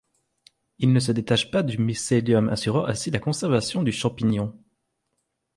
Ils ne se détachent pas du mycélium assurant ainsi la conservation du champignon.